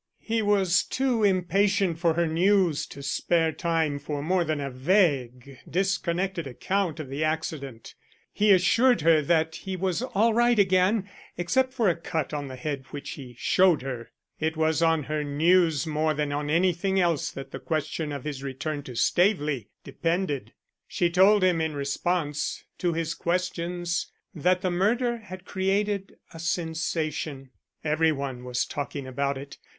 He was too impatient for her news to spare time for more than a vague disconnected account of the accident. He assured her that he was all right again, except for a cut on the head which he showed her. It was on her news more than on anything else that the question of his return to Staveley depended. She told him in response to his questions that the murder had created a sensation. Every one was talking about it.